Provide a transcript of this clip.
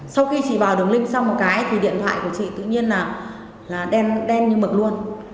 sau khi chị vào đường link xong một cái thì điện thoại của chị tự nhiên là đen như mực luôn